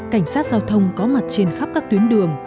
cảnh sát giao thông có mặt trên khắp các tuyến đường